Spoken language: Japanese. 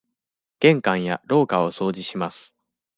玄関や廊下を掃除します。